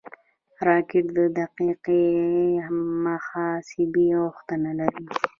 راکټ د دقیقې محاسبې غوښتنه لري